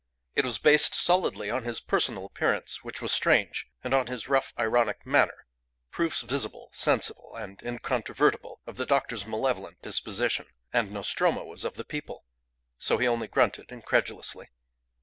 It was based solidly on his personal appearance, which was strange, and on his rough ironic manner proofs visible, sensible, and incontrovertible of the doctor's malevolent disposition. And Nostromo was of the people. So he only grunted incredulously.